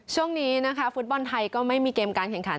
ช่วงนี้นะคะฟุตบอลไทยก็ไม่มีเกมการแข่งขัน